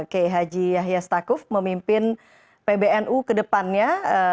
kei haji yahya stakuf memimpin pbnu ke depannya